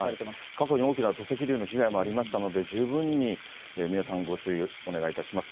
過去に大きな土石流の被害もありましたので、十分に皆さんご注意お願いいたします。